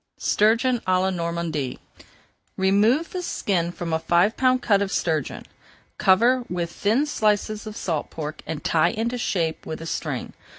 STURGEON À LA NORMANDY Remove the skin from a five pound cut of sturgeon, cover with thin slices of salt pork, and tie into shape with a string.